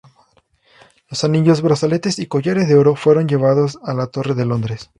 Los anillos, brazaletes y collares de oro fueron llevados a la Torre de Londres.